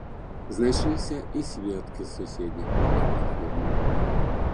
Знайшліся і сведкі з суседніх прыватных фірмаў.